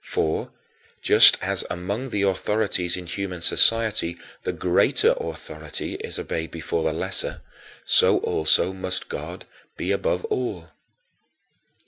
For, just as among the authorities in human society, the greater authority is obeyed before the lesser, so also must God be above all.